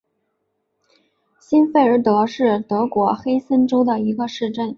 欣费尔德是德国黑森州的一个市镇。